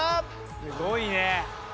すごいね。